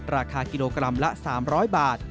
ราคากิโลกรัมละ๓๐๐บาท